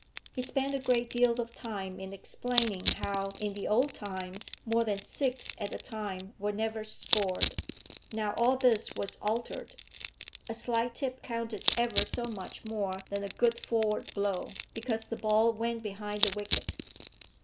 He spent a great deal of time in explaining how, in the old times, more than six at a time were never scored. Now all this was altered. A slight tip counted ever so much more than a good forward blow, because the ball went behind the wicket.